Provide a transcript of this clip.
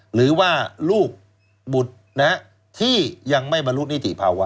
หรือว่าลูกบุตรที่ยังไม่บรรลุนิติภาวะ